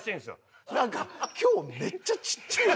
なんか今日めっちゃちっちゃい。